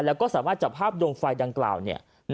แล้วก็สามารถจับภาพดวงไฟดังกล่าว